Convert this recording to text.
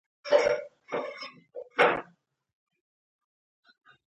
د درونټې جهیل د کابل سیند دی